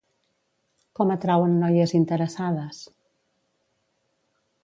Com atrauen noies interessades?